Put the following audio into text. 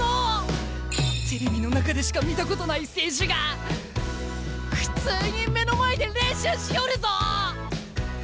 テレビの中でしか見たことない選手が普通に目の前で練習しよるぞぉ！